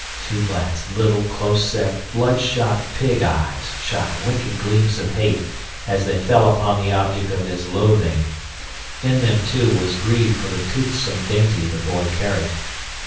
Tublat's little, close set, bloodshot, pig eyes shot wicked gleams of hate as they fell upon the object of his loathing. In them, too, was greed for the toothsome dainty the boy carried.